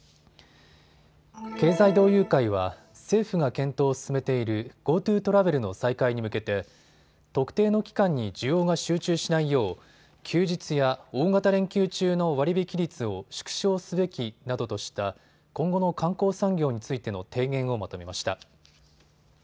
経済同友会は政府が検討を進めているＧｏＴｏトラベルの再開に向けて特定の期間に需要が集中しないよう休日や大型連休中の割引率を縮小すべきなどとした今後の観光産業についての提言をまとめました。